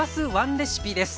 レシピです。